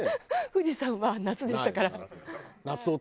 富士山は夏でしたから。